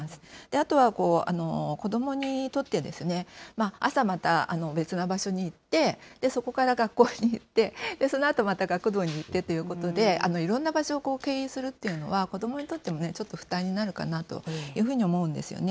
あとは、子どもにとって、朝また別な場所に行って、そこから学校に行って、そのあとまた学童に行ってということで、いろんな場所を経由するっていうのは、子どもにとってもちょっと負担になるかなというふうに思うんですよね。